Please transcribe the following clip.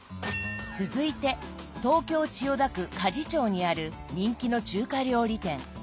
続いて東京千代田区鍛冶町にある人気の中華料理店。